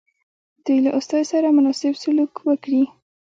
دوی له استازي سره مناسب سلوک وکړي.